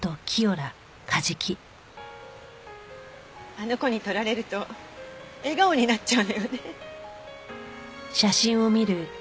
あの子に撮られると笑顔になっちゃうのよね。